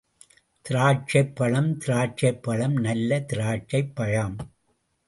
திராட்சைப் பழம் திராட்சைப் பழம்—நல்ல திராட்சைப் பழம்.